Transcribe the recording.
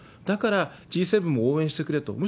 だから、Ｇ７も応援してくれと。